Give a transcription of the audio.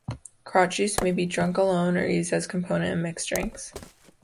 Kraut juice may be drunk alone or used as a component in mixed drinks.